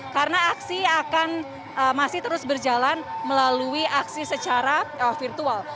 karena aksi akan masih terus berjalan melalui aksi secara virtual